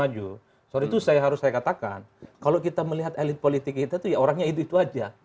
jadi saya harus katakan kalau kita melihat elit politik kita orangnya itu saja